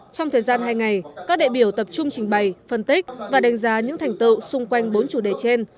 trong thời gian hai ngày các đại biểu tập trung trình bày phân tích và đánh giá những thành tựu xung quanh bốn chủ đề trên